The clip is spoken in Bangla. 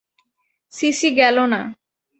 সিসি গেল না।